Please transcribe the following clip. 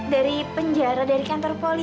dari penjara dari kantor poli